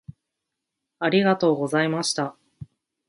ありがとうございました。